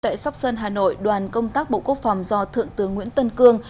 tại sóc sơn hà nội đoàn công tác bộ quốc phòng do thượng tướng nguyễn tân cương